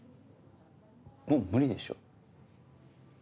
もう無理でしょ？